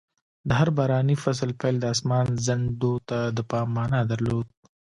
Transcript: د هر باراني فصل پیل د اسمان ځنډو ته د پام مانا درلود.